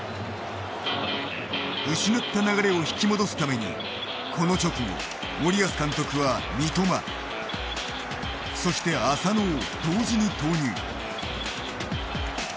失った流れを引き戻すためにこの直後、森保監督は三笘そして浅野を同時に投入。